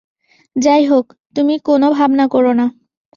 যাই হোক, তুমি কোনো ভাবনা কোরো না।